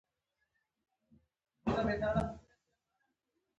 انجونې له ګودر نه په منګيو کې اوبه راوړي.